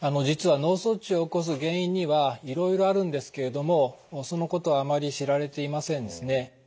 実は脳卒中を起こす原因にはいろいろあるんですけれどもそのことはあまり知られていませんですね。